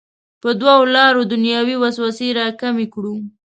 په دوو لارو دنیوي وسوسې راکمې کړو.